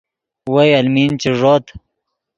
وئے المین چے ݱوت